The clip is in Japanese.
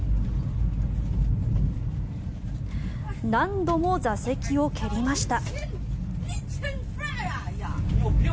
何度も座席を蹴りました。